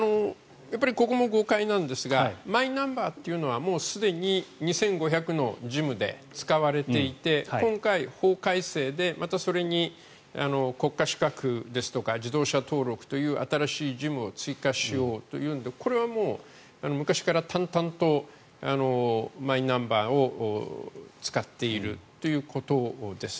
やっぱりここも誤解なんですがマイナンバーというのは、すでに２５００の事務で使われていて今回、法改正でまたそれに国家資格ですとか自動車登録という新しい事務を追加しようというのでこれは昔から淡々とマイナンバーを使っているということです。